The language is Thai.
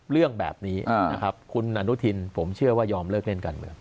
เรื่องแบบนี้นะครับคุณอนุทินผมเชื่อว่ายอมเลิกเล่นการเมือง